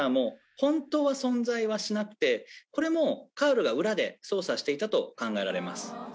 本当は存在はしなくてこれもカールが裏で操作していたと考えられます。